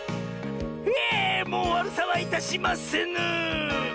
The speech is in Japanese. ひえもうわるさはいたしませぬ！